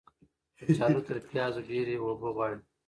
کچالو تر پیازو ډیرې اوبه غواړي.